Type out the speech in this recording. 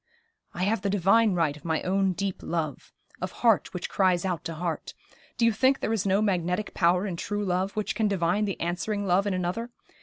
'I have the divine right of my own deep love of heart which cries out to heart. Do you think there is no magnetic power in true love which can divine the answering love in another?